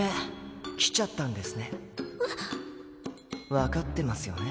わかってますよね？